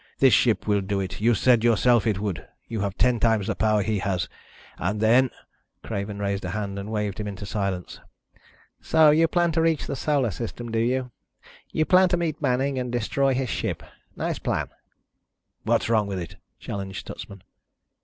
This ship will do it. You said yourself it would. You have ten times the power he has. And then ..." Craven raised a hand and waved him into silence. "So you plan to reach the Solar System, do you? You plan to meet Manning, and destroy his ship. Nice plan." "What's wrong with it?" challenged Stutsman.